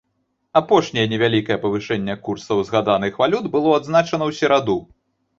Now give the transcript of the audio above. Апошняе невялікае павышэнне курсаў згаданых валют было адзначана ў сераду.